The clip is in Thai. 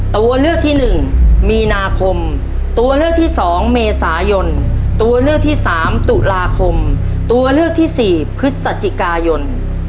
ตัวเลือกที่หนึ่งมีนาคมตัวเลือกที่๒เมษายนตัวเลือกที่สามตุลาคมตัวเลือกที่สี่พฤศจิกายน